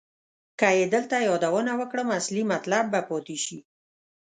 که یې دلته یادونه وکړم اصلي مطلب به پاتې شي.